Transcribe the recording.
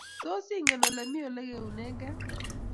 Tos, ingen olemi olegeunegee?